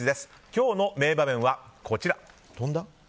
今日の名場面はこちら。